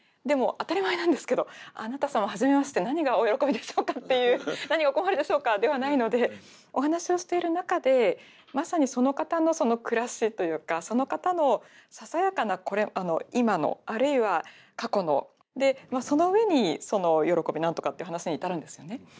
でも当たり前なんですけど「あなた様初めまして何がお喜びでしょうか？」っていう「何がお困りでしょうか？」ではないのでお話をしている中でまさにその方のその暮らしというかその方のささやかな今のあるいは過去のでその上にその喜び何とかっていう話に至るんですよね。